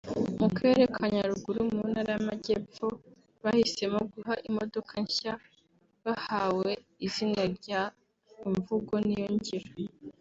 mu Karere ka Nyaruguru mu Ntara y’Amajyepfo bahisemo guha imodoka nshya bahawe izina rya ‘Imvugo Niyo Ngiro’